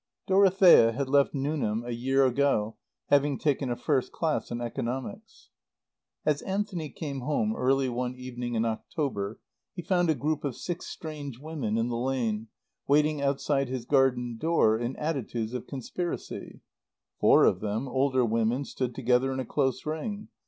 Dorothea had left Newnham a year ago, having taken a first class in Economics. As Anthony came home early one evening in October, he found a group of six strange women in the lane, waiting outside his garden door in attitudes of conspiracy. Four of them, older women, stood together in a close ring.